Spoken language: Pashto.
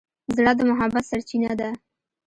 زړه د محبت سرچینه ده.